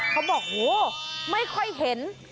เขาบอกโหไม่ค่อยเห็น